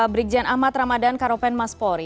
brigjen ahmad ramadan karopen mas polri